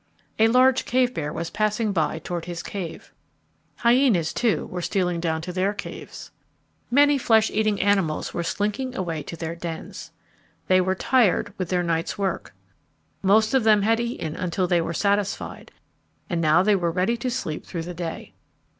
A large cave bear was passing by toward his cave. Hyenas, too, were stealing down to their caves. Many flesh eating animals were slinking away to their dens. They were tired with their night's work. Most of them had eaten until they were satisfied, and now they were ready to sleep through the day.